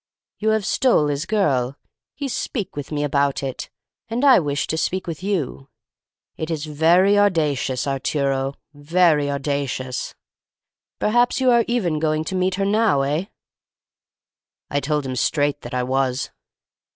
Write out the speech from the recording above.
'You have stole his girl, he speak with me about it, and I wish to speak with you. It is very audashuss, Arturo, very audashuss! Perhaps you are even going to meet her now, eh?'" I told him straight that I was.